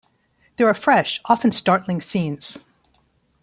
There are fresh, often startling scenes.